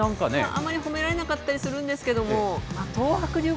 あんまり褒められなかったりするんですけども。